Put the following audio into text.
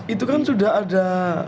itu kan sudah ada